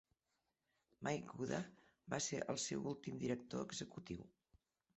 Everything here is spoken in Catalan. Mick Gooda va ser el seu últim director executiu.